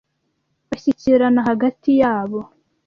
Bashyikirana hagati yabo.